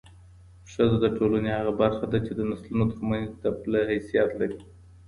ښځه د ټولنې هغه برخه ده چي د نسلونو ترمنځ د پله حیثیت لري.